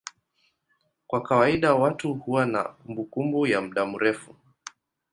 Kwa kawaida watu huwa na kumbukumbu ya muda mrefu.